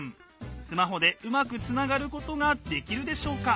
スマホでうまくつながることができるでしょうか？